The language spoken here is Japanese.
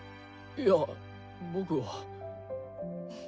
いや僕は。